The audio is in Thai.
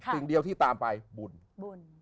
สิ่งเดียวที่ตามไปบุญบุญ